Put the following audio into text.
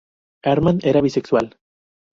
Armand era bisexual.